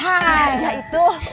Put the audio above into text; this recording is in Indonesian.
hah ya itu